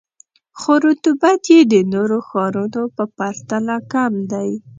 خو رطوبت یې د نورو ښارونو په پرتله کم دی.